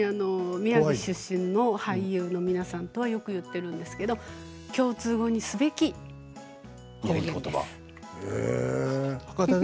宮城出身の俳優の皆さんとはよく言っているんですけど共通語にすべき方言です。